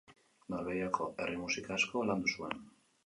Norvegiako herri-musika asko landu zuen.